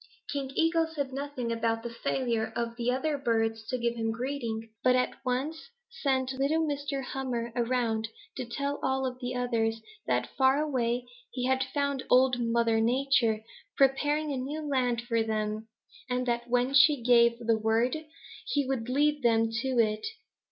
"King Eagle said nothing about the failure of the other birds to give him greeting but at once sent little Mr. Hummer around to tell all the others that far away he had found Old Mother Nature preparing a new land for them, and that when she gave the word, he would lead them to it.